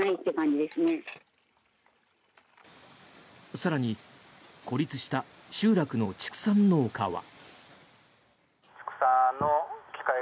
更に、孤立した集落の畜産農家は。